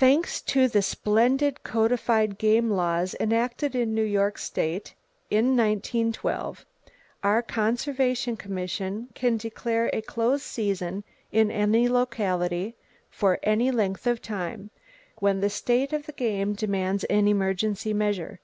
Thanks to the splendid codified game laws enacted in New York state in 1912, our Conservation Commission can declare a close season in any locality, for any length of time, when the state of the game demands an emergency measure.